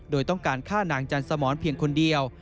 โดยต้องการฆ่านางจันสมรเพียงคนเดียว